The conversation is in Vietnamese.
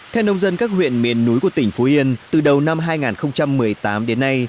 theo nông dân các huyện miền núi của tỉnh phú yên từ đầu năm hai nghìn một mươi tám đến nay